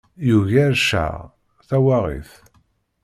Yugar cceh, tawaɣit.